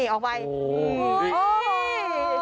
หลบทางล่อย